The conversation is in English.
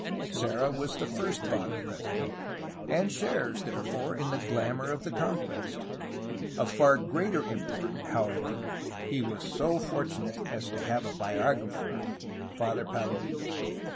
Serra was thej^rs^ Father President, and shares, therefore, in the glamor of the conquest. Of far greater import, how ever, he was so fortunate as to have a biographer, Father Palou.